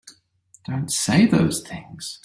Don't say those things!